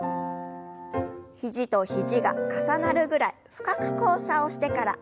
肘と肘が重なるぐらい深く交差をしてから横へ振りましょう。